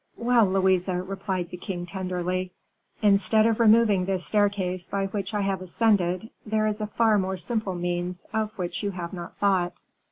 "Well, Louise," replied the king, tenderly, "instead of removing this staircase by which I have ascended, there is a far more simple means, of which you have not thought."